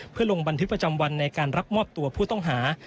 เพื่อลงบันทึกประจำวันในการรับมอบตัวผู้ต้องหา